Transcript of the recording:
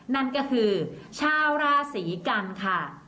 นั่นก็คือชาวราศีกันค่ะ